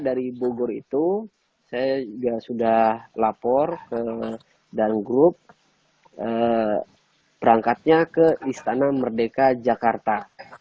dari bogor itu saya juga sudah lapor ke dangroup berangkatnya ke istana merdeka jakarta